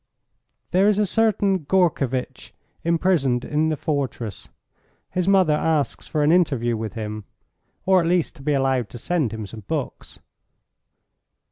"There is a certain Gourkevitch imprisoned in the fortress; his mother asks for an interview with him, or at least to be allowed to send him some books."